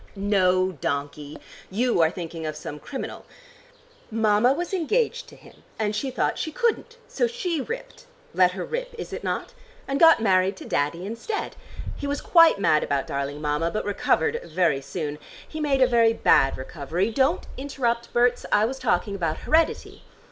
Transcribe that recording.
"No, donkey. You are thinking of some criminal. Mama was engaged to him, and she thought she couldn't so she ripped let her rip, is it not? and got married to Daddy instead. He was quite mad about darling Mama, but recovered very soon. He made a very bad recovery. Don't interrupt, Berts: I was talking about heredity.